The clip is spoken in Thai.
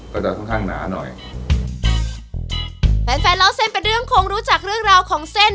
ก็จะค่อนข้างหนาหน่อยแฟนแฟนเล่าเส้นเป็นเรื่องคงรู้จักเรื่องราวของเส้น